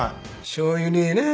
しょうゆねえな。